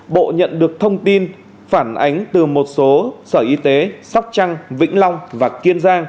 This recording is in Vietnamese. bộ nhận được thông tin phản ánh từ một số sở y tế sóc trăng vĩnh lạc